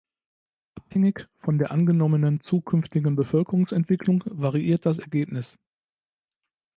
Abhängig von der angenommenen zukünftigen Bevölkerungsentwicklung variiert das Ergebnis.